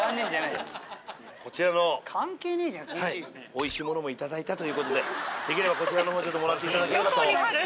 美味しいものもいただいたという事でできればこちらの方もらっていただければと。